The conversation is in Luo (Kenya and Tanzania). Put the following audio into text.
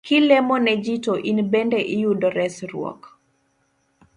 Kilemo ne ji to in bende iyudo resruok